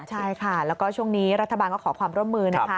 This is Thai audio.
ใช่ค่ะแล้วก็ช่วงนี้รัฐบาลก็ขอความร่วมมือนะคะ